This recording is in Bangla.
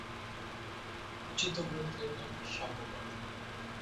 তার রচিত গ্রন্থের নাম "সাম্যবাদ"।